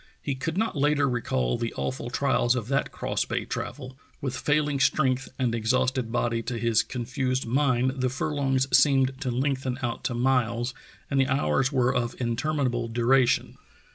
He could not later recall the awful trials of that cross bay travel. With failing strength and exhausted body, to his confused mind the furlongs seemed to lengthen out to miles and the hours were of interminable du ration.